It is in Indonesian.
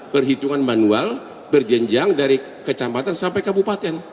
perhitungan manual berjenjang dari kecamatan sampai kabupaten